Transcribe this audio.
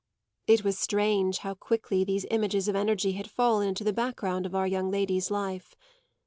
It was strange how quickly these images of energy had fallen into the background of our young lady's life.